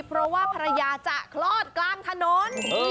เพราะว่าภรรยาจะคลอดกลางถนน